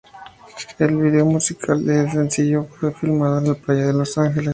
El video musical del sencillo fue filmado en la playa en Los Ángeles.